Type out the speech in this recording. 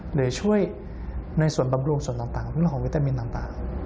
หรือช่วยในส่วนบำรุงส่วนต่างเรื่องของวิตามินต่าง